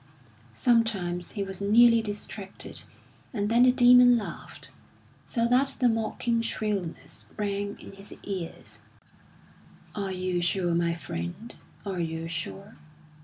Sometimes he was nearly distracted, and then the demon laughed, so that the mocking shrillness rang in his ears: "Are you sure, my friend are you sure?